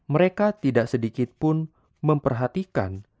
mereka tidak sedikitpun memperhatikan